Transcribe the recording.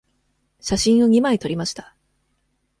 写真を二枚撮りました。